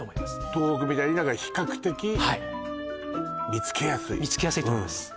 東北みたいにだから比較的はい見つけやすい見つけやすいと思います